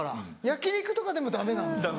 焼き肉とかでもダメなんです。